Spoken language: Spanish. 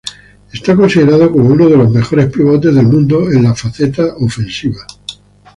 Era considerado como uno de los mejores pivotes del mundo, en la faceta ofensiva.